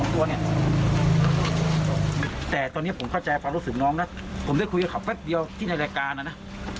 ตัวเนี่ยแต่ตอนนี้ผมเข้าใจความรู้สึกน้องนะผมได้คุยกับเขาแป๊บเดียวที่ในรายการนะนะ